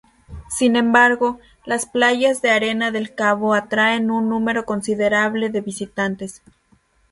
Sin embargo las playas de arena del cabo atraen un número considerable de visitantes.